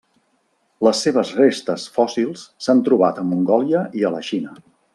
Les seves restes fòssils s'han trobat a Mongòlia i a la Xina.